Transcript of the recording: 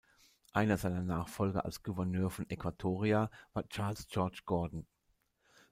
Einer seiner Nachfolger als Gouverneur von Äquatoria war Charles George Gordon.